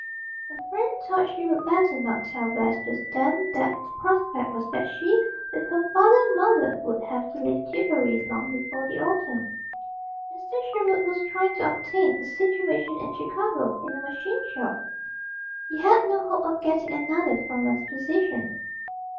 Her friend thought she would better not tell Bess just then that the prospect was that she, with her father and mother, would have to leave Tillbury long before the autumn. Mr. Sherwood was trying to obtain a situation in Chicago, in a machine shop. He had no hope of getting another foreman's position.